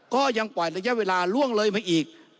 ก็ยังปล่อยระยะเวลาล่วงเลยมาอีก